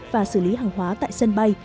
và xử lý hàng hóa tại sân bay